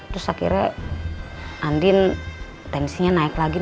terus akhirnya andin tensinya naik lagi